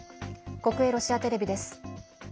国営ロシアテレビです。